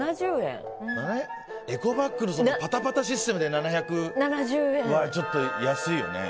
エコバッグのパタパタシステムで７７０円はちょっと安いよね。